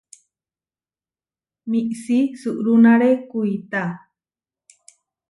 Miisí suʼrunáre kuitá.